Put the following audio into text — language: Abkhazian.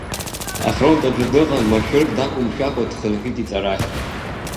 Афронт аҿы дыҟан, машәырк дақәымшәакәа, дхынҳәит иҵарахь.